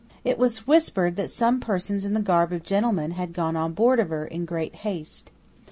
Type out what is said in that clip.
It was whispered that some persons in the garb of gentlemen had gone on board of her in great haste.